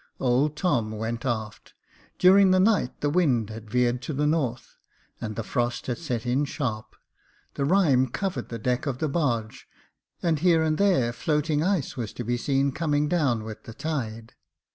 Old Tom went aft. During the night the wind had veered to the north, and the frost had set in sharp, the rime covered the deck of the barge, and here and there floating ice was to be seen coming down with the tide.